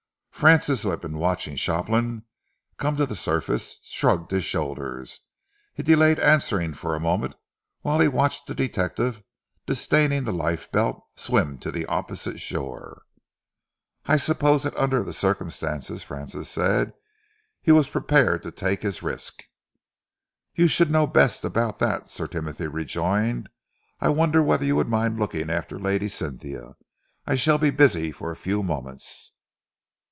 Francis, who had been watching Shopland come to the surface, shrugged his shoulders. He delayed answering for a moment while he watched the detective, disdaining the life belt, swim to the opposite shore. "I suppose that under the circumstances," Francis said, "he was prepared to take his risk." "You should know best about that," Sir Timothy rejoined. "I wonder whether you would mind looking after Lady Cynthia? I shall be busy for a few moments."